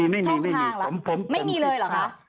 ช่องทางละไม่มีเลยเหรอคะ